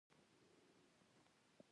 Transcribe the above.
تا لیدلی و